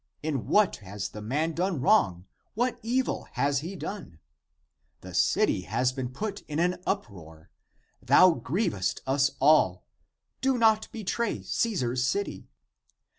In what has the man done wrong; what evil has he done? The city has been put in an uproar. Thou grievest us all ; do not betray Caesar's city.